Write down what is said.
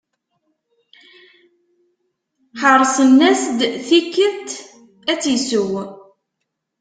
Herrsen-as-d tikedt ad tt-isew.